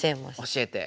教えて。